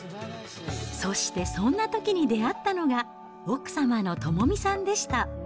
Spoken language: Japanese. そしてそんなときに出会ったのが、奥様の智美さんでした。